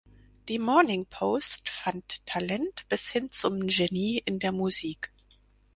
Die "Morning Post" fand Talent bis hin zum Genie in der Musik.